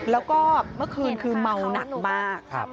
แล้วก็เมื่อคืนคือเมาหนักมาก